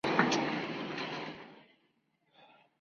Le gusta todo lo relacionado con el aumento de masa muscular.